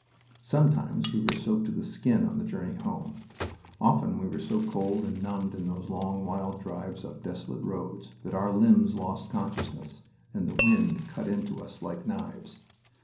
Sometimes we were soaked to the skin on the journey home. Often we were so cold and numbed in those long wild drives up desolate roads that our limbs lost consciousness and the wind cut into us like knives.